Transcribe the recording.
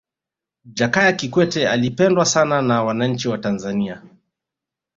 jakaya kikwete alipendwa sana na wananchi wa tanzania